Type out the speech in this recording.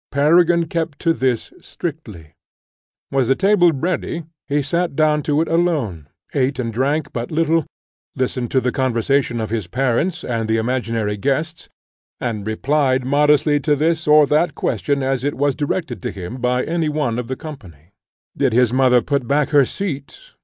Peregrine kept to this strictly. Was the table ready? He sat down to it alone, ate and drank but little, listened to the conversation of his parents, and the imaginary guests, and replied modestly to this or that question as it was directed to him by any one of the company. Did his mother put back her seat?